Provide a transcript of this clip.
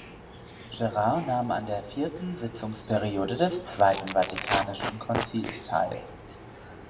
Gerrard nahm an der vierten Sitzungsperiode des Zweiten Vatikanischen Konzils teil.